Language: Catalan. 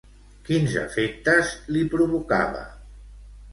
Quins efectes li provocava?